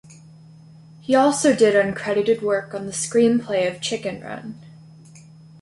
He also did uncredited work on the screenplay of "Chicken Run".